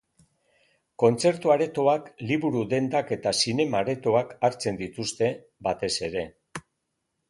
Kontzertu aretoak, liburu dendak eta zinema aretoak hartzen dituzte, batez ere.